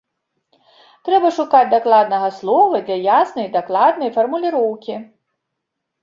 Трэба шукаць дакладнага слова для яснай і дакладнай фармуліроўкі.